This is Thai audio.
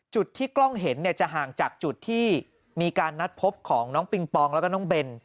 จุดที่กล้องเห็นเนี่ยจะห่างจากจุดที่มีการนัดพบของน้องปิงปองแล้วก็น้องเบน